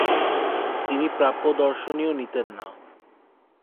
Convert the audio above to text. তিনি প্রাপ্য দর্শনীও নিতেন না।